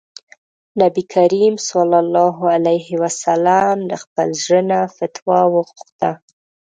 نبي کريم ص له خپل زړه نه فتوا وغوښته.